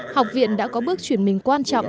học viện đã có bước chuyển mình quan trọng